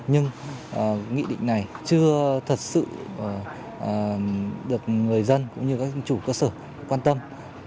nhưng nghị định này chưa thật sự được người dân cũng như các chủ cơ sở quan tâm